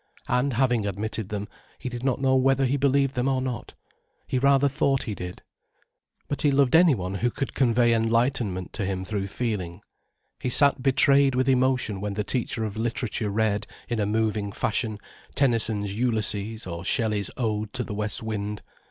And having admitted them, he did not know whether he believed them or not; he rather thought he did. But he loved anyone who could convey enlightenment to him through feeling. He sat betrayed with emotion when the teacher of literature read, in a moving fashion, Tennyson's "Ulysses", or Shelley's "Ode to the West Wind".